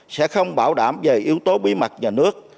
sẽ không bảo đảm về yếu tố bí mật nhà nước